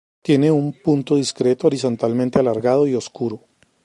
Tiene un punto discreto horizontalmente alargado y oscuro.